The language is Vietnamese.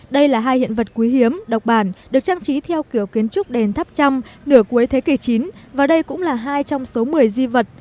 đây là hai hiện vật quý hiếm độc bản được trang trí theo kiểu kiến trúc đền tháp trăm nửa cuối thế kỷ chín và đây cũng là hai trong số một mươi di vật